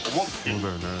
そうだよね。